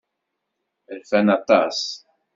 Rfan aṭas.